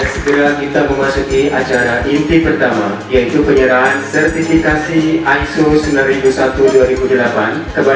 sekarang kita memasuki acara inti pertama